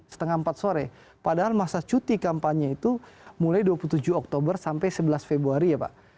setengah empat sore padahal masa cuti kampanye itu mulai dua puluh tujuh oktober sampai sebelas februari ya pak